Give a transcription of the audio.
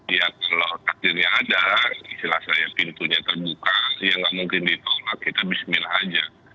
ya kalau takdirnya ada istilah saya pintunya terbuka ya nggak mungkin ditolak kita bismillah aja